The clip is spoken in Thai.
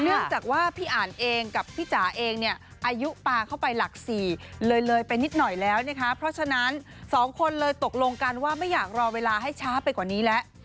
เนื่องจากว่าพี่อ่านเองกับพี่จ๋าเองเนี่ยอายุปลาเข้าไปหลัก๔เลยเลยไปนิดหน่อยแล้วนะคะเพราะฉะนั้นสองคนเลยตกลงกันว่าไม่อยากรอเวลาให้ช้าไปกว่านี้แล้ว